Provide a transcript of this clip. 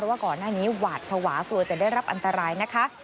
ว่าก่อนหน้านี้หวาดภาวะกลัวจะได้รับอันตรายนะคะ